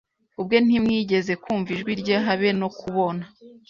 ubwe Ntimwigeze kumva ijwi rye habe no kubona